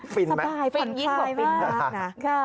ฟินไหมฟันเยี่ยงกว่าฟินมากนะค่ะค่ะ